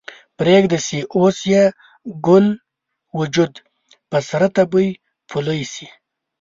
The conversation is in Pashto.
پریږده چې اوس یې ګل وجود په سره تبۍ پولۍ شي